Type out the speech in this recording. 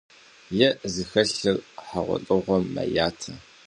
Е зыхэлъыр хьэгъуэлӀыгъуэм мэятэ.